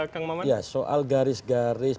kang maman ya soal garis garis